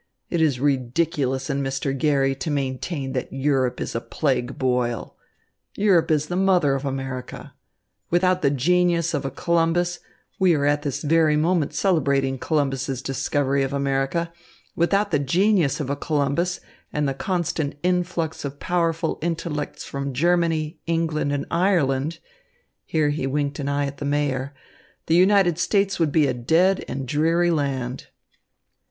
It is ridiculous in Mr. Garry to maintain that Europe is a plague boil. Europe is the mother of America. Without the genius of a Columbus we are at this very moment celebrating Columbus's discovery of America without the genius of a Columbus and the constant influx of powerful intellects from Germany, England and Ireland," here he winked an eye at the Mayor, "the United States would be a dead and dreary land."